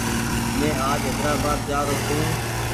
مينٚ آج حيدرآبآد جآرو ڇوٚنٚ